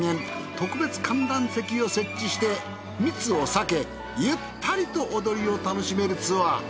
特別観覧席を設置して密を避けゆったりと踊りを楽しめるツアー。